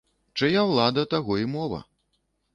Чыя ўлада, таго і мова.